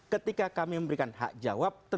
ketika kami memberikan hak jawab